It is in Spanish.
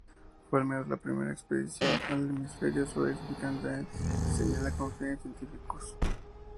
Fue al menos la primera expedición al hemisferio sur explícitamente diseñada con fines científicos.